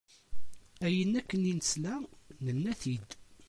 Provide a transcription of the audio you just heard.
Ayen akken i nesla nnan-t-id.